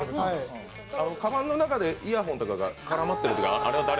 カバンの中でイヤホンとかが絡まっているときは？